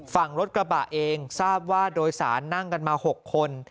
ฝั่งรถกระบะเองทราบว่าโดยสารนั่งกันมา๖คน